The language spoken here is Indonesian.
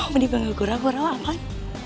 apa dibangun kurawa kurawa apaan